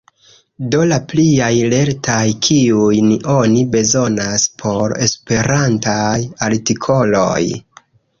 Do, la pliaj lertaj kiujn oni bezonas por esperantaj artikoloj.